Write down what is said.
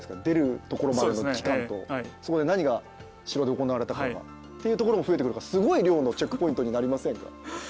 出るところまでの期間とそこで何が城で行われたとかっていうところも増えてくるからすごい量のチェックポイントになりませんか？